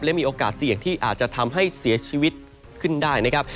และมีโอกาสเสี่ยงที่อาจจะทำให้เสียชีวิตขึ้นได้นะครับ